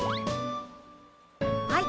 はい。